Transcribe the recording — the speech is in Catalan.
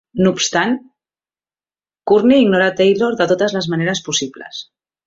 No obstant, Courtney ignora Taylor de totes les maneres possibles.